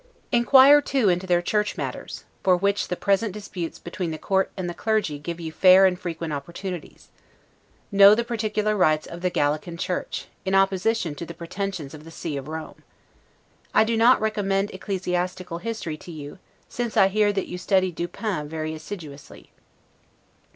Inquire too into their church matters; for which the present disputes between the court and the clergy give you fair and frequent opportunities. Know the particular rights of the Gallican church, in opposition to the pretensions of the See of Rome. I need not recommend ecclesiastical history to you, since I hear that you study 'Du Pin' very assiduously.